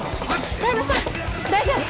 台場さん大丈夫！？